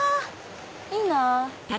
いいなぁ。